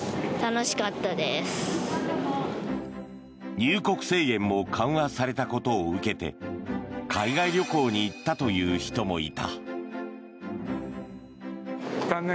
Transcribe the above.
入国制限も緩和されたことを受けて海外旅行に行ったという人もいた。